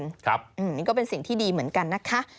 นี่ก็เป็นสิ่งที่ดีเหมือนกันนะคะ